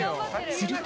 すると。